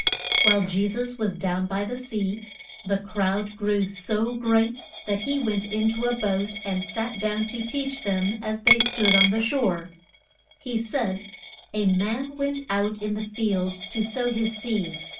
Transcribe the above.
WHILE Je sus was down by the sea, the crowd grew so great that he went in to a boat and sat down to teach them as they stood on the shore. [Illustration: THE SOW ER.] He said, A man went out in the field to sow his seed.